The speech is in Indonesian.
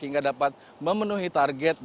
hingga dapat memenuhi kemampuan kita